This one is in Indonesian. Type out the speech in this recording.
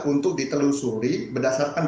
untuk ditelusuri berdasarkan dokunksinya